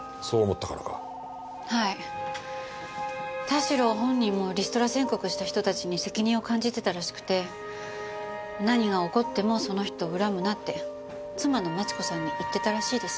田代本人もリストラ宣告した人たちに責任を感じてたらしくて何が起こってもその人を恨むなって妻の万智子さんに言ってたらしいです。